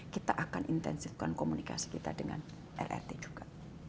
kita akan intensifkan komunikasi kita dengan rrt juga